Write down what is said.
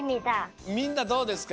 みんなどうですか？